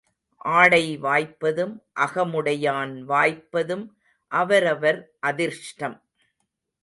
ஆடை வாய்ப்பதும் அகமுடையான் வாய்ப்பதும் அவரவர் அதிர்ஷ்டம்.